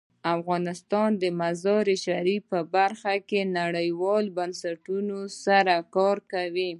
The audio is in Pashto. افغانستان د مزارشریف په برخه کې نړیوالو بنسټونو سره کار کوي.